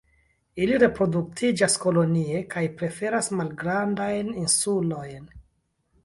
Ili reproduktiĝas kolonie kaj preferas malgrandajn insulojn.